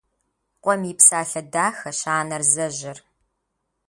Къуэм и псалъэ дахэщ анэр зэжьэр.